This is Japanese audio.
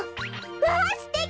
わあすてき！